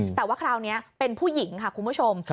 แต่ว่าคราวนี้เป็นผู้หญิงค่ะคุณผู้ชม